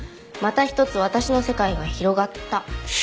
「またひとつ私の世界が広がった」